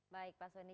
baik pak soni